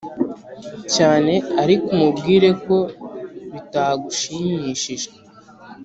cyane ariko umubwire ko bitagushimishije,